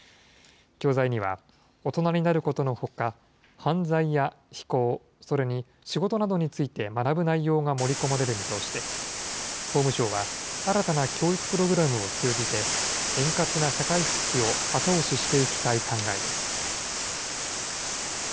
教材には、大人になることのほか、犯罪や非行、それに仕事などについて学ぶ内容が盛り込まれる見通しで、法務省は、新たな教育プログラムを通じて、円滑な社会復帰を後押ししていきたい考えです。